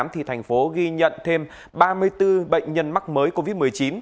thành phố ghi nhận thêm ba mươi bốn bệnh nhân mắc mới covid một mươi chín